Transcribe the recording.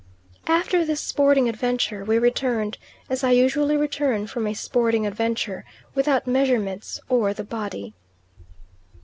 After this sporting adventure, we returned, as I usually return from a sporting adventure, without measurements or the body.